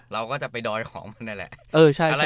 เราก็จะไปดอยของมันนั่นแหละ